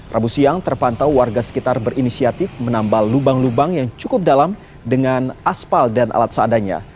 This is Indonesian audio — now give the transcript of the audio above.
rabu siang terpantau warga sekitar berinisiatif menambal lubang lubang yang cukup dalam dengan aspal dan alat seadanya